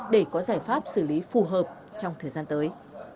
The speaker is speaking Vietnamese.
để có giải pháp xử lý phù hợp trong thời gian tới